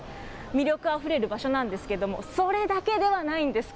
魅力あふれる場所なんですけれども、それだけではないんです。